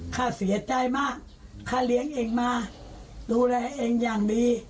ข้าเสียใจมากค่าเลี้ยงเองมาดูแลเองอย่างดี